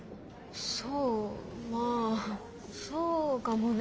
そうまあそうかもね。